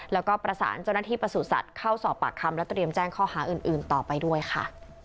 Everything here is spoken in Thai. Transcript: แล้วก็ประสานเจ้าหน้าที่ประสูจนสัตว์เข้าสอบปากคำและเตรียมแจ้งข้อหาอื่นต่อไปด้วยค่ะ